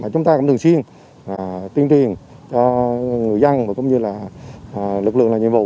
chúng ta cũng thường xuyên tuyên truyền cho người dân và lực lượng làm nhiệm vụ